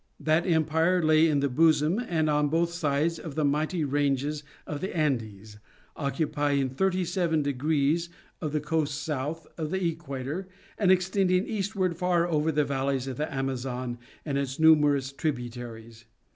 That empire lay in the bosom and on both sides of the mighty ranges of the Andes, occupying thirty seven degrees of the coast south of the equator, and extending eastward far over the valleys of the Amazon and its numerous tributaries.